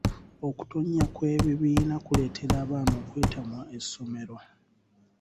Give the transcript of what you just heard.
Okutonnya kw'ebibiina kuleetera abaana okwetamwa essomero.